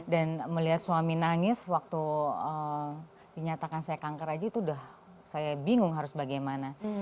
dan melihat suami nangis waktu dinyatakan saya kanker saja itu sudah saya bingung harus bagaimana